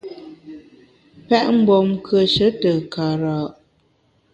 Pèt mgbom nkùeshe te kara’ !